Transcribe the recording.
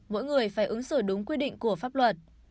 mỗi người phải ứng xử đúng quy định của pháp luật